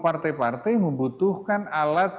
partai partai membutuhkan alat